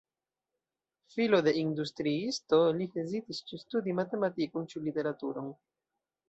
Filo de industriisto, li hezitis ĉu studi matematikon ĉu literaturon.